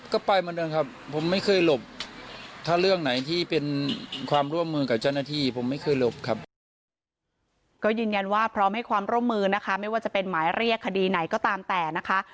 ก็ยืนยันว่าพร้อมให้ความร่วมมือนะคะไม่ว่าจะเป็นหมายเรียกคดีไหนก็ตามแต่นะคะ